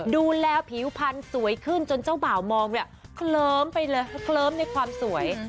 ดูแล้วผิวพันธุ์สวยขึ้นจนเจ้าบ่าวมองเนี่ยเคลิ้มไปเลยเคลิ้มในความสวย